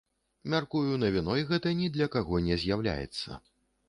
Мяркую, навіной гэта ні для каго не з'яўляецца.